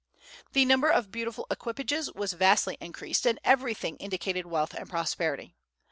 The number of beautiful equipages was vastly increased, and everything indicated wealth and prosperity.